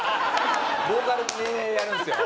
「ボーカルやるんですよ」。